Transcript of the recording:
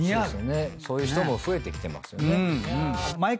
そういう人も増えてきてますよね。